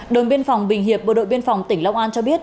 đồn biên phòng bình hiệp bộ đội biên phòng tỉnh long an cho biết